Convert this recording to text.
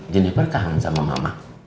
jennifer kangen sama mama